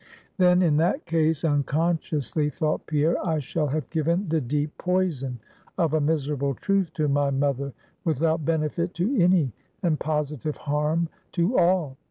Then in that case, unconsciously thought Pierre, I shall have given the deep poison of a miserable truth to my mother, without benefit to any, and positive harm to all.